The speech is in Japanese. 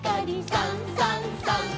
「さんさんさん」